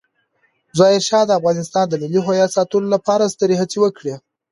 ظاهرشاه د افغانستان د ملي هویت ساتلو لپاره سترې هڅې وکړې.